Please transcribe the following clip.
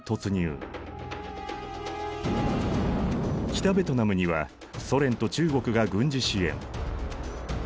北ベトナムにはソ連と中国が軍事支援。